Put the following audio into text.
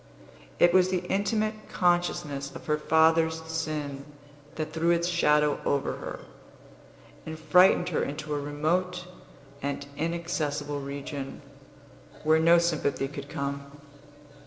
It was the intimate consciousness of her father's sin that threw its shadow over her, and frightened her into a remote and inaccessible region, where no sympathy could come.